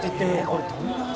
「これどんな味？」